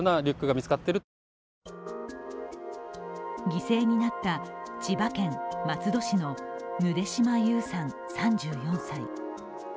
犠牲になった千葉県松戸市のぬで島優さん３４歳。